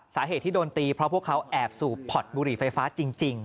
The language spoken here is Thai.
สาเหตุที่โดนตีเพราะพวกเขาแอบสูบพอดบุหรี่ไฟฟ้าจริง